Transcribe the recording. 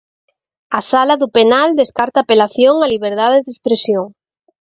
A Sala do Penal descarta a apelación á liberdade de expresión.